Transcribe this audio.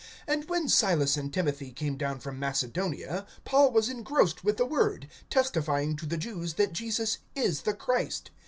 (5)And when Silas and Timothy came down from Macedonia, Paul was engrossed with the word, testifying to the Jews that Jesus is the Christ.